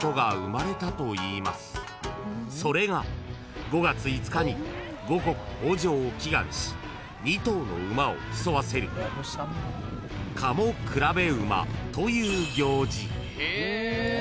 ［それが５月５日に五穀豊穣を祈願し２頭の馬を競わせる賀茂競馬という行事］